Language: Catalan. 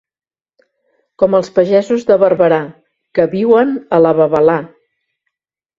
Com els pagesos de Barberà, que viuen a la babalà.